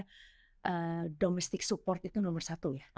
support domestik itu nomor satu ya